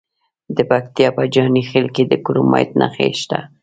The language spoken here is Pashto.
د پکتیا په جاني خیل کې د کرومایټ نښې شته.